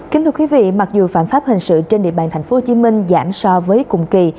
kính thưa quý vị mặc dù phạm pháp hình sự trên địa bàn tp hcm giảm so với cùng kỳ